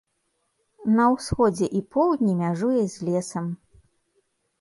На ўсходзе і поўдні мяжуе з лесам.